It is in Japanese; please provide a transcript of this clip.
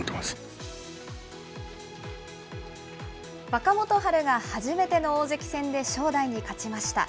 若元春が初めての大関戦で正代に勝ちました。